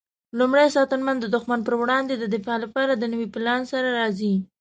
لومړی ساتنمن د دښمن پر وړاندې د دفاع لپاره د نوي پلان سره راځي.